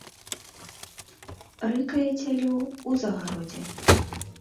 Рыкае цялё ў загародзе.